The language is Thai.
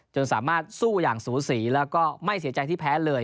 สามารถสู้อย่างสูสีแล้วก็ไม่เสียใจที่แพ้เลย